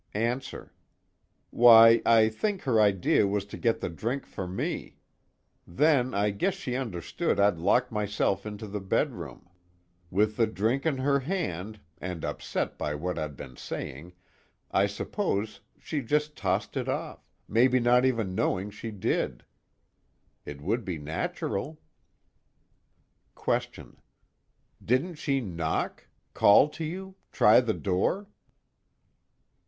ANSWER: Why, I think her idea was to get the drink for me. Then I guess she understood I'd locked myself into the bedroom. With the drink in her hand, and upset by what I'd been saying, I suppose she just tossed it off, maybe not even knowing she did. It would be natural. QUESTION: Didn't she knock? Call to you? Try the door?